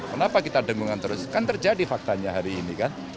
kenapa kita dengungan terus kan terjadi faktanya hari ini kan